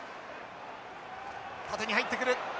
縦に入ってくる。